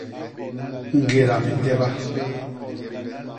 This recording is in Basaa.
Ñgéda minteba.